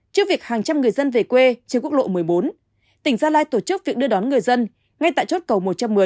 trước việc hàng trăm người dân về quê trên quốc lộ một mươi bốn tỉnh gia lai tổ chức việc đưa đón người dân ngay tại chốt cầu một trăm một mươi